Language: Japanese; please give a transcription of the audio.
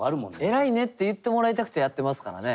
「偉いね」って言ってもらいたくてやってますからね。